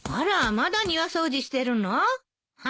まだ庭掃除してるの？早くね。